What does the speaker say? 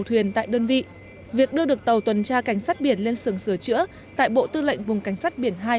tàu thuyền tại đơn vị việc đưa được tàu tuần tra cảnh sát biển lên sưởng sửa chữa tại bộ tư lệnh vùng cảnh sát biển hai